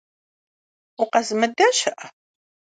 Укъэзымыда щыӏэ?